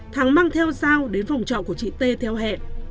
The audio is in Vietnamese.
thắng mang theo dao đến phòng trọ của chị t theo hẹn